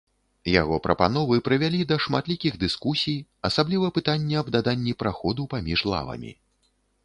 Яго прапановы прывялі да шматлікіх дыскусій, асабліва пытанне аб даданні праходу паміж лавамі.